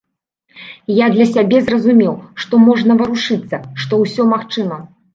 Я для сябе зразумеў, што можна варушыцца, што ўсё магчыма.